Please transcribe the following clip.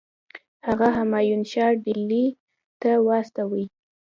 هغه همایون شاه ډهلي ته واستوي.